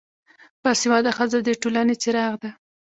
با سواده ښځه دټولنې څراغ ده